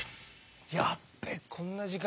やっべこんな時間だ！